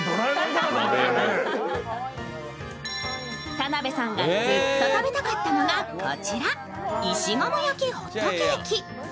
田辺さんがずっと食べたかったのがこちら、石窯焼きホットケーキ。